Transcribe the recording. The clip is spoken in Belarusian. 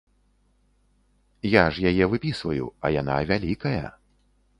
Я ж яе выпісваю, а яна вялікая!